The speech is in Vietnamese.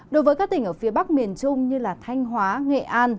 đối với các tỉnh ở phía bắc miền trung như thanh hóa nghệ an